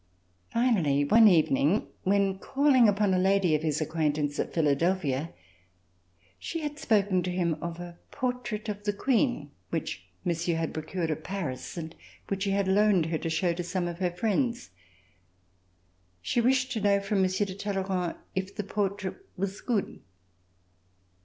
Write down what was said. Finally one evening, when calling upon a lady of his acquaintance at Philadelphia, she had spoken to him of a portrait of the Queen which Monsieur had procured at Paris and which he had loaned her to show to some of hei friends. She wished to know from Monsieur de Talleyrand if the portrait was good.